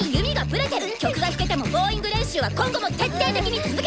曲が弾けてもボーイング練習は今後も徹底的に続けて！